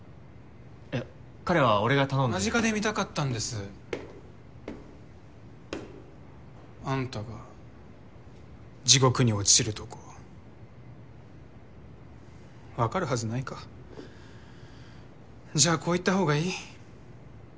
えっ彼は俺が頼んで間近で見たかったんですあんたが地獄に落ちるとこ分かるはずないかじゃあこう言った方がいい？